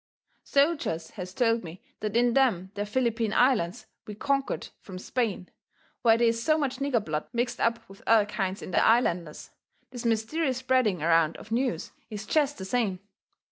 Soldiers has told me that in them there Philippine Islands we conquered from Spain, where they is so much nigger blood mixed up with other kinds in the islanders, this mysterious spreading around of news is jest the same.